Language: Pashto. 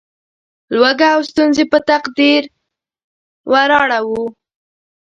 لوږه او ستونزې په تقدیر وراړوو.